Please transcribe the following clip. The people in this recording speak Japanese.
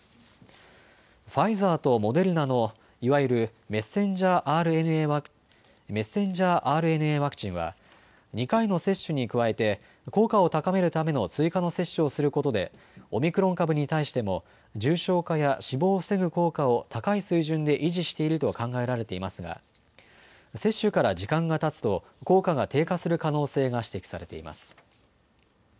ファイザーとモデルナのいわゆるｍＲＮＡワクチンは、２回の接種に加えて効果を高めるための追加の接種をすることでオミクロン株に対しても重症化や死亡を防ぐ効果を高い水準で維持していると考えられていますが接種から時間がたつと効果が低下する可能性が指摘されています。